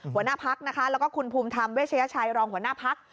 หัวหน้าพักนะคะแล้วก็คุณภูมิธรรมเวชยชัยรองหัวหน้าพัก